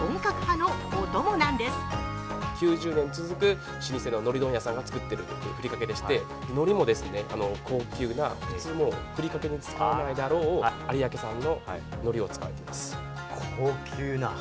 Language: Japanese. のり問屋さんが作っているふりかけでして、のりも高級な普通のふりかけに使わないであろう有明産ののりを使っています。